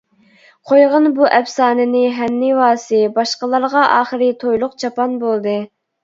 قويغىن بۇ ئەپسانىنى ھەننىۋاسى، باشقىلارغا ئاخىرى تويلۇق چاپان بولدى.